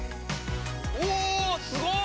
うおすごい！